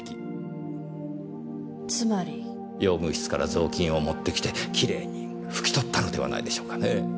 つまり。用務室から雑巾を持ってきてきれいに拭き取ったのではないでしょうかねぇ。